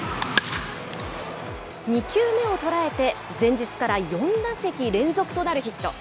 ２球目を捉えて、前日から４打席連続となるヒット。